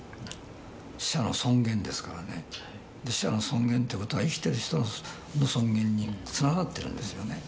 死者の尊厳ですからねで死者の尊厳っていうことは生きている人の尊厳につながってるんですよね